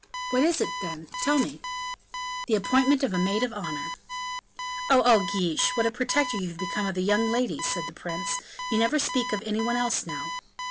"What is it, then? Tell me." "The appointment of a maid of honor." "Oh! oh! Guiche, what a protector you have become of young ladies," said the prince, "you never speak of any one else now."